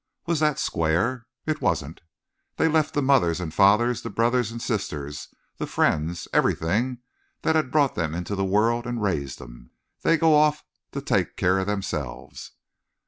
Was that square? It wasn't! They left the mothers and fathers, the brothers and sisters, the friends, everything that had brought them into the world and raised 'em. They go off to take care of themselves.